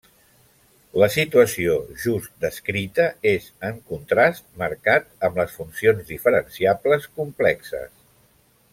La situació just descrita és en contrast marcat amb les funcions diferenciables complexes.